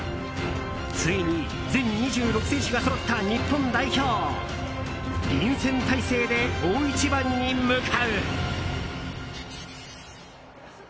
ついに全２６選手がそろった日本代表臨戦態勢で大一番に向かう。